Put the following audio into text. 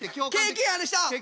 経験ある？